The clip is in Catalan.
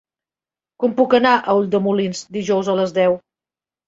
Com puc anar a Ulldemolins dijous a les deu?